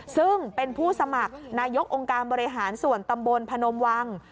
ซึ่งเป็นผู้สมัครนายกองค์การบริหารส่วนตำบลพนมวัง